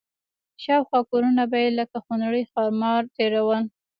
شاوخوا کورونه به یې لکه خونړي ښامار تېرول.